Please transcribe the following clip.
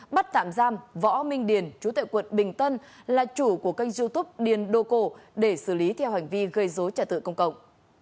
bắt tạm giam võ minh điền chú tệ quận bình tân là chủ của kênh youtube điền đô cổ để xử lý theo hành vi gây dối trả tự công cộng